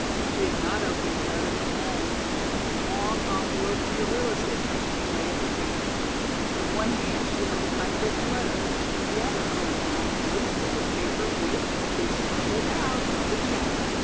She had not opened the letter from home, but the long envelope from the real estate company lay at her feet. In one hand she held a typewritten letter and in the other a long blue slip of paper which, beyond a doubt, was a check.